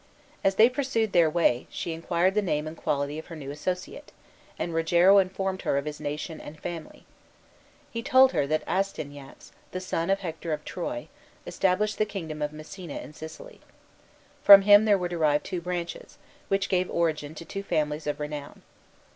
As they pursued their way, she inquired the name and quality of her new associate; and Rogero informed her of his nation and family. He told her that Astyanax, the son of Hector of Troy, established the kingdom of Messina in Sicily. From him were derived two branches, which gave origin to two families of renown.